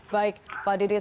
baik pak didit